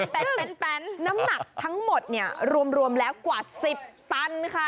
เป็นเต้นน้ำหนักทั้งหมดรวมกว่าสิบตัน